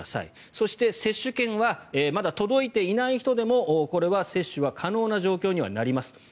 そして接種券はまだ届いていない人でもこれは接種可能な状況にはなります。